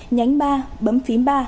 nhánh ba bấm phím ba